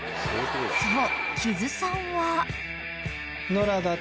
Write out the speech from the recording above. ［そう］